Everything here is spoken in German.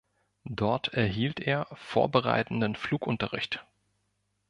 Dort erhielt er vorbereitenden Flugunterricht.